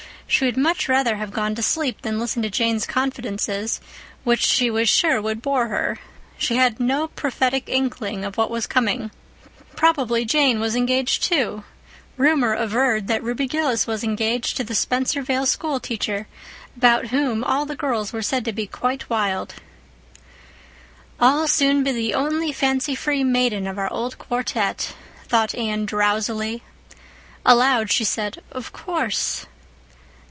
She would much rather have gone to sleep than listen to Jane's confidences, which she was sure would bore her. She had no prophetic inkling of what was coming. Probably Jane was engaged, too; rumor averred that Ruby Gillis was engaged to the Spencervale schoolteacher, about whom all the girls were said to be quite wild. "I'll soon be the only fancy free maiden of our old quartet," thought Anne, drowsily. Aloud she said, "Of course."